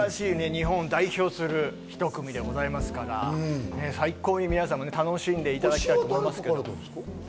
日本を代表する１組でございますから、最高に皆さんも楽しんでいただけたと思います。